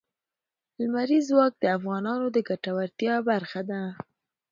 لمریز ځواک د افغانانو د ګټورتیا برخه ده.